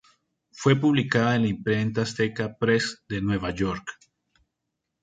Fue publicada en la Imprenta Azteca press de Nueva York.